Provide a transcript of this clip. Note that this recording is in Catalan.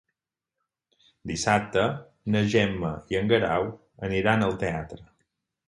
Dissabte na Gemma i en Guerau aniran al teatre.